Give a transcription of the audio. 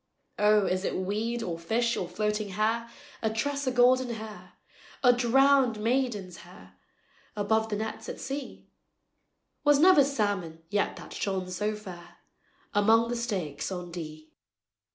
"O, is it weed, or fish, or floating hair, A tress o' golden hair, O' drownèd maiden's hair, Above the nets at sea? Was never salmon yet that shone so fair, Among the stakes on Dee."